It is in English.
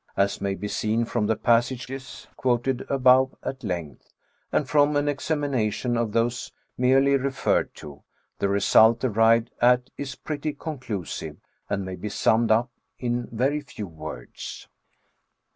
As may be seen from the passages quoted above at length, and from an examination of those merely referred to, the result arrived at is pretty conclusive, and may be summed up in very few words.